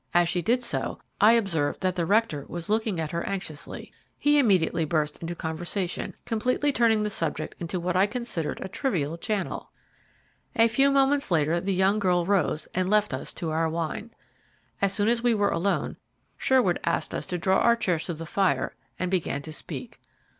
As she did so, I observed that the rector was looking at her anxiously. He immediately burst into conversation, completely turning the subject into what I considered a trivial channel. A few moments later the young girl rose and left us to our wine. As soon as we were alone, Sherwood asked us to draw our chairs to the fire and began to speak.